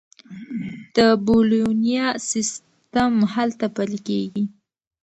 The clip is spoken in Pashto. د بولونیا سیستم هلته پلي کیږي.